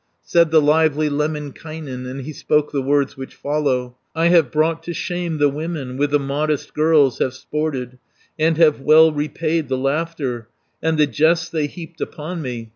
350 Said the lively Lemminkainen, And he spoke the words which follow: "I have brought to shame the women, With the modest girls have sported, And have well repaid the laughter, And the jests they heaped upon me.